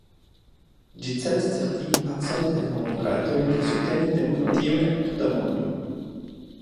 Ĝi celas certigi pacon kaj homajn rajtojn kaj subteni demokration en la tuta mondo.